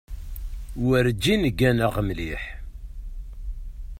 Werǧin gganeɣ mliḥ.